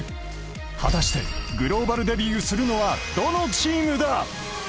果たしてグローバルデビューするのはどのチームだ⁉